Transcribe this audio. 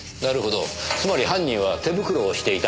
つまり犯人は手袋をしていた可能性が高い。